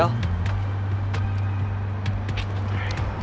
pengecut banget lo